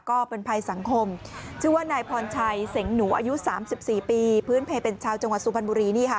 ก็เป็นภัยสังคมชื่อว่านายพรชัยเสงหนูอายุ๓๔ปีพื้นเพลเป็นชาวจังหวัดสุพรรณบุรีนี่ค่ะ